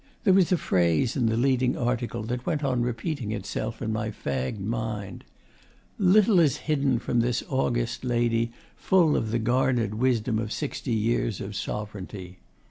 There was a phrase in the leading article that went on repeating itself in my fagged mind 'Little is hidden from this august Lady full of the garnered wisdom of sixty years of Sovereignty.